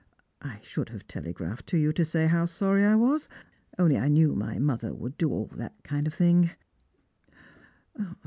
I should have telegraphed to you to say how sorry I was, only I knew my mother would do all that kind of thing."